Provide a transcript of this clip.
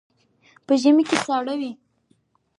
په ژمي کې ساړه وي.